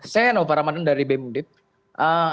saya nopar ramadan dari bung adian